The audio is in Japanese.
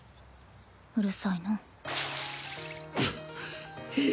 うるさいな。